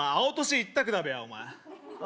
一択だべお前あ